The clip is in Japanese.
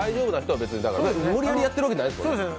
無理やりやってるわけじゃないですもんね。